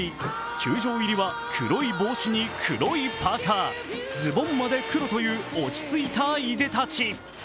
球場入りは黒い帽子に黒いパーカー、ズボンまで黒という落ち着いた出で立ち。